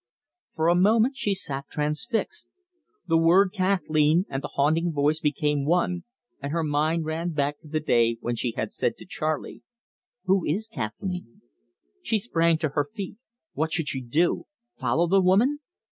For a moment she sat transfixed. The word Kathleen and the haunting voice became one, and her mind ran back to the day when she had said to Charley: "Who is Kathleen?" She sprang to her feet. What should she do? Follow the woman?